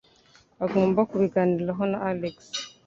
Agomba kubiganiraho na Alex.